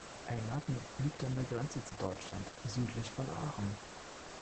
Eynatten liegt an der Grenze zu Deutschland, südlich von Aachen.